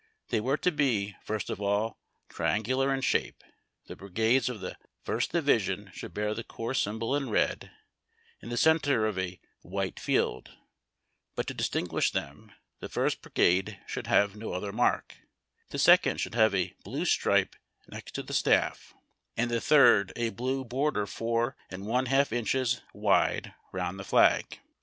They were to be, first of all, triangular in shape ; the brigades of the fii'st division should bear the corps symbol in red in the centre of a white field, but, to distinguish them, the first brigade should have no other mark; the second should liave a blue stripe next the staff, and the third a blue border four and one half inches wide around the flag.